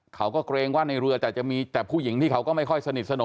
เกรงว่าในเรือแต่จะมีแต่ผู้หญิงที่เขาก็ไม่ค่อยสนิทสนม